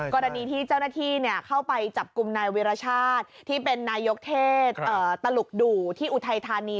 กรณีที่เจ้าหน้าที่เข้าไปจับกลุ่มนายวิรชาติที่เป็นนายกเทศตลุกดู่ที่อุทัยธานี